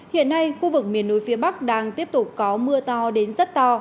hiện nay khu vực miền núi phía bắc đang tiếp tục có mưa to đến rất to